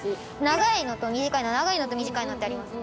長いのと短いの長いのと短いのってあります。